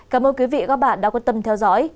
cảm ơn quý vị và các bạn đã quan tâm theo dõi